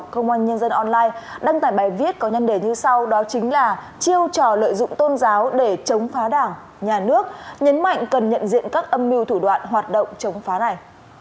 chiêu trò lợi dụng tôn giáo để chống phá đảng nhà nước nhấn mạnh cần nhận diện các âm mưu thủ đoạn hoạt động chống phá này